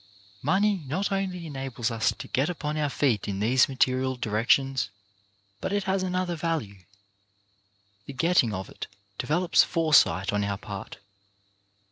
Money not only enables us to get upon our feet in these material directions, but it has another value. The getting of it develops foresight on our part.